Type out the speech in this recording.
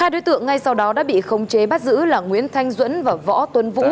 hai đối tượng ngay sau đó đã bị không chế bắt giữ là nguyễn thanh duẩn và võ tuấn vũ